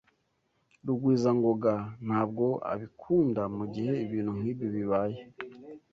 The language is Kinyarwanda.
Rugwizangoga ntabwo abikunda mugihe ibintu nkibi bibaye.